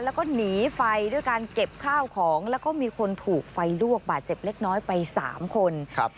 แล้วก็หนีไฟด้วยการเก็บข้าวของแล้วก็มีคนถูกไฟลวกบาดเจ็บเล็กน้อยไปสามคนครับ